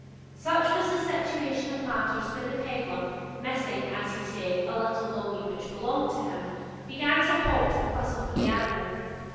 Such was the situation of matters when the pedlar, missing, as he said, a little doggie which belonged to him, began to halt and whistle for the animal.